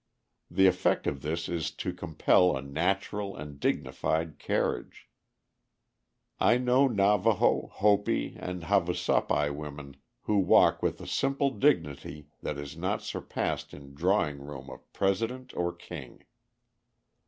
The effect of this is to compel a natural and dignified carriage. I know Navaho, Hopi, and Havasupai women who walk with a simple dignity that is not surpassed in drawing room of president or king.